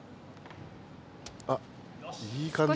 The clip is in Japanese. あっいい感じ。